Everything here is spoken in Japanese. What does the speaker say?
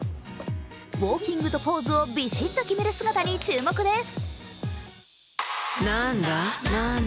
ウォーキングとポーズをびしっと決める姿に注目です。